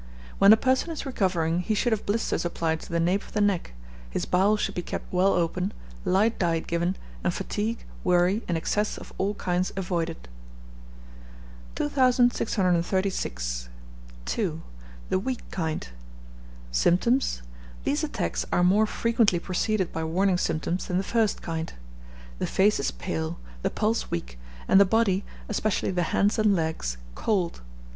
When a person is recovering, he should have blisters applied to the nape of the neck, his bowels should be kept well open, light diet given, and fatigue, worry, and excess of all kinds avoided. 2636. 2. The weak kind. Symptoms. These attacks are more frequently preceded by warning symptoms than the first kind. The face is pale, the pulse weak, and the body, especially the hands and legs, cold.